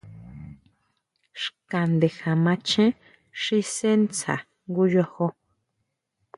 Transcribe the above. Xka ndekja macheén xi sʼe stsá jngu yojo.